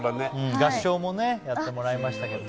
合唱もやってもらいましたけども。